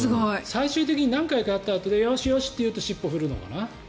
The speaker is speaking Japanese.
最終的に何回かやったあとでよしよしってやると尻尾を振るのかな。